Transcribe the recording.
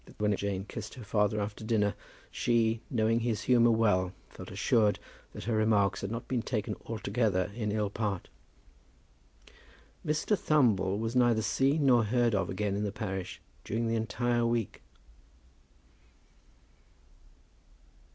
But when Jane kissed her father after dinner, she, knowing his humour well, felt assured that her remarks had not been taken altogether in ill part. Mr. Thumble was neither seen nor heard of again in the parish during the entire week.